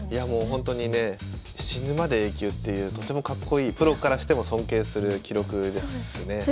もうほんとにね死ぬまでＡ級っていうとてもかっこいいプロからしても尊敬する記録ですね。